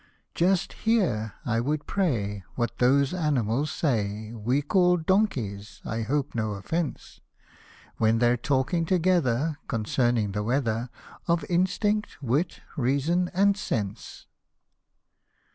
" Just hear, I would pray, what those animals say We call donkeys, I hope no offence ; When they're talking together concerning the weather, Of instinct, wit, reason, and sense."